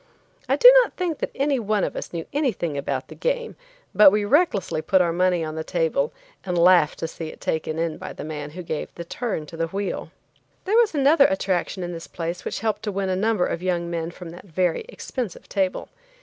I do not think that any one of us knew anything about the game, but we recklessly put our money on the table and laughed to see it taken in by the man who gave the turn to the wheel. There was another attraction in this place which helped to win a number of young men from that very expensive table.